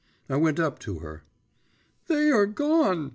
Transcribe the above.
I went up to her.… 'They are gone!